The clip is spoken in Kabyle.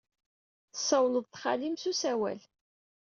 Tessawled d xali-m s usawal.